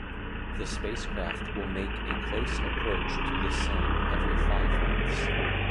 The spacecraft will make a close approach to the Sun every five months.